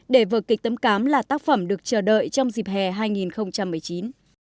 để vở kịch tấm cám là tác phẩm được chờ đợi trong dịp hè hai nghìn một mươi chín